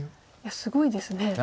いやすごいですね。